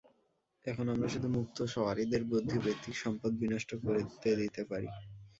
এখন আমরা শুধু মুক্ত সওয়ারিদের বুদ্ধিবৃত্তিক সম্পদ বিনষ্ট করতে দিতে পারি।